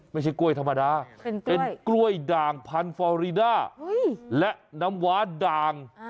ไม่ใช่กล้วยธรรมดาเป็นกล้วยด่างพันธอรีด้าและน้ำว้าด่าง